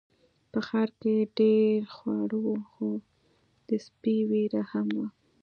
په ښار کې ډیر خواړه وو خو د سپي ویره هم وه.